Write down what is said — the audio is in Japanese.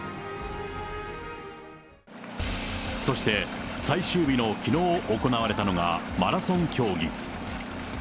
そして、最終日のきのう行われたのがマラソン競技。